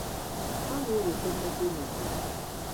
Ọ na-eweta mmepe n’obodo